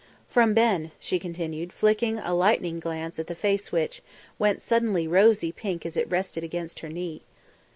"From Ben," she continued, flicking a lightning glance at the face which, went suddenly rosy pink as it rested against her knee.